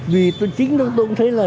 vì tôi chính thức tôi cũng thấy là